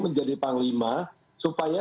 menjadi panglima supaya